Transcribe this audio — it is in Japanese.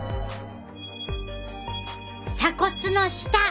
鎖骨の下！